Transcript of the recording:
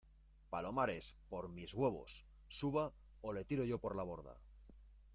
palomares, por mis huevos , suba o le tiro yo por la borda.